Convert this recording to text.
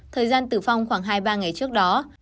thời gian tử vong khoảng hai ba ngày trước đó